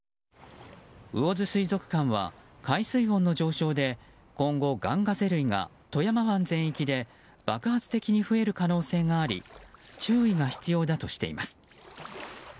魚津水族館は海水温の上昇で今後、ガンガゼ類が富山湾全域で爆発的に増える可能性があり注意が必要だとしています。